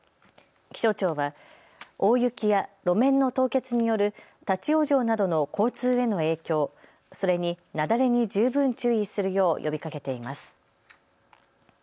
気象庁は大雪や路面の凍結による立往生などの交通への影響、それに雪崩に十分注意するよう呼びかけています。